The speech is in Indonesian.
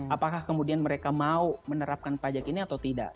apakah kemudian mereka mau menerapkan pajak ini atau tidak